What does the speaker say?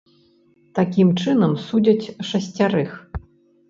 Такім чынам, судзяць шасцярых.